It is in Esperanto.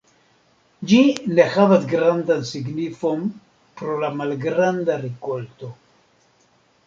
Ĝi ne havas grandan signifon pro la malgranda rikolto.